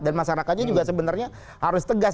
dan masyarakatnya juga sebenarnya harus tegas